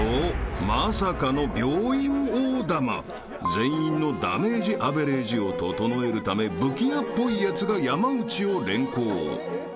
［全員のダメージアベレージを整えるため武器屋っぽいやつが山内を連行］